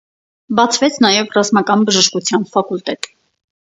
Բացվեց նաև ռազմական բժշկության ֆակուլտետ։